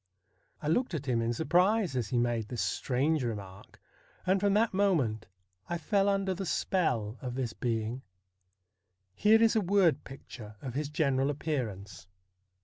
I looked at him in surprise as he made this strange remark, and from that moment I fell under the spell of this being. Here is a word picture of his general appearance.